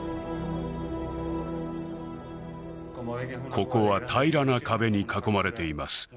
ここは平らな壁に囲まれています